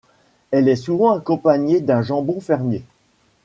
Elle est souvent accompagnée d'un jambon fermier.